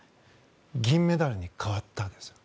銀メダルに変わったんですよ。